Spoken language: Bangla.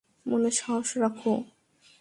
মনে সাহস রাখো।